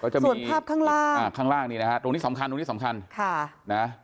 ส่วนภาพข้างล่างตรงนี้สำคัญ